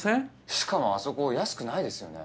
しかもあそこ安くないですよね？